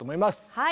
はい。